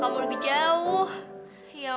kamu harus berjuang terapi ya